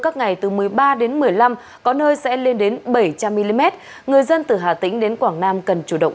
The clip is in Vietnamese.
các ngày từ một mươi ba đến một mươi năm có nơi sẽ lên đến bảy trăm linh mm người dân từ hà tĩnh đến quảng nam cần chủ động